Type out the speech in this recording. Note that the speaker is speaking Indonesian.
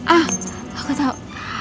ah aku tau